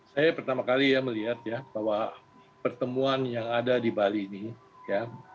saya pertama kali ya melihat ya bahwa pertemuan yang ada di bali ini ya